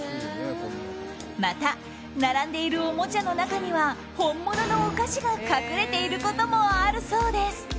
また、並んでいるおもちゃの中には本物のお菓子が隠れていることもあるそうです。